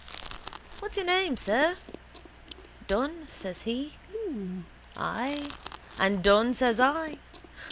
What's your name, sir? Dunne, says he. Ay, and done says I.